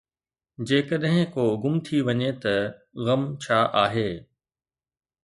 جيڪڏهن ڪو گم ٿي وڃي ته غم ڇا آهي؟